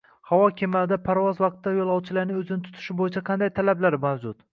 Havo kemalarida parvoz vaqtida yo‘lovchilarning o‘zini tutishi bo‘yicha qanday talablar mavjud?